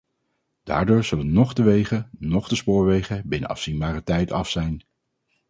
Daardoor zullen noch de wegen, noch de spoorwegen binnen afzienbare tijd af zijn.